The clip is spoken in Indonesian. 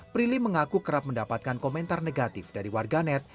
prilly mengaku kerap mendapatkan komentar negatif dari warganet